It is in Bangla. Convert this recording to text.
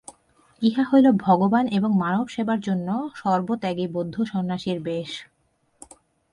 ইহা হইল ভগবান এবং মানব-সেবার জন্য সর্বত্যাগী বৌদ্ধ সন্ন্যাসীর বেশ।